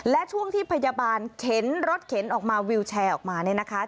และช่วงที่พยาบาลเข็นรถเข็นออกมาวิวแชร์ออกมาเนี่ยนะคะ